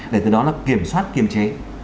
để từ đó nó kiểm soát kiểm chế